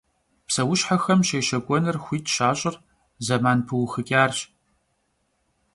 Pseuşhexem şêşek'uenır xuit şaş'ır zeman pıuxıç'arş.